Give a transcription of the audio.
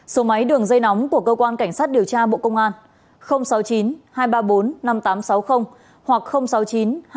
số máy đường dây nóng của cơ quan cảnh sát điều tra bộ công an sáu mươi chín hai trăm ba mươi bốn năm nghìn tám trăm sáu mươi hoặc sáu mươi chín hai trăm ba mươi hai một nghìn sáu trăm sáu mươi bảy